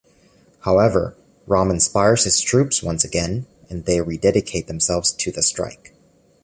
However, Rom inspires his troops once again, and they rededicate themselves to the strike.